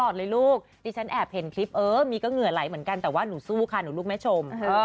อดเลยลูกดิฉันแอบเห็นคลิปเออมีก็เหงื่อไหลเหมือนกันแต่ว่าหนูสู้ค่ะหนูลูกแม่ชม